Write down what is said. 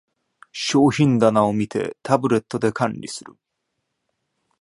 商品棚を見て、タブレットで管理する